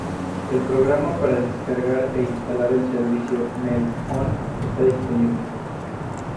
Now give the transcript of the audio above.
El programa para descargar e instalar el servicio "MelOn" está disponible.